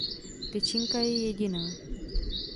Tyčinka je jediná.